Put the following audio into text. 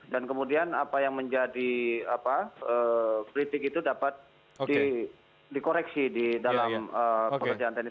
dan kemudian apa yang menjadi kritik itu dapat dikoreksi di dalam pekerjaan teknis